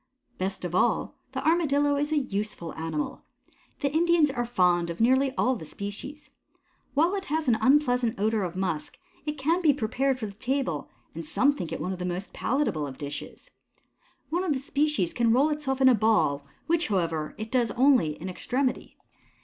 Best of all, the Armadillo is a useful animal. The Indians are fond of nearly all the species. While it has an unpleasant odor of musk, it can be prepared for the table; and some think it one of the most palatable of dishes. One of the species can roll itself into a ball, which, however, it does only in extremity.